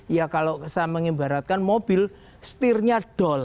ya kalau saya mengibaratkan mobil setirnya doll